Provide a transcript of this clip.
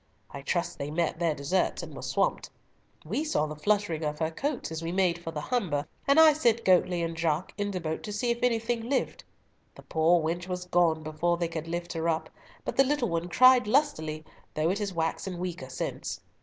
I trust they met their deserts and were swamped. We saw the fluttering of her coats as we made for the Humber, and I sent Goatley and Jaques in the boat to see if anything lived. The poor wench was gone before they could lift her up, but the little one cried lustily, though it has waxen weaker since.